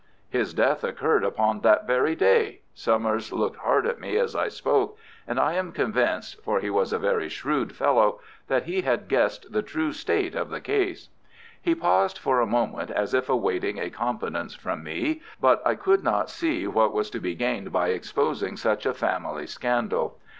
"His death occurred upon that very day." Summers looked hard at me as I spoke, and I am convinced—for he was a very shrewd fellow—that he had guessed the true state of the case. He paused for a moment as if awaiting a confidence from me, but I could not see what was to be gained by exposing such a family scandal.